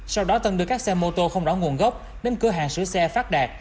sau đó tân đưa các xe mô tô không rõ nguồn gốc đến cửa hàng sửa xe phát đạt